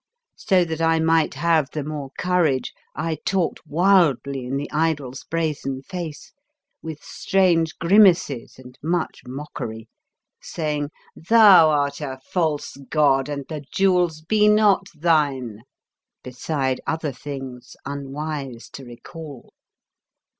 So that I might have the more courage I talked wildly in the idol's brazen face, with strange grimaces and much mock ery, saying, '' Thou art a false god and the jewels be not thine," beside other things unwise to recall.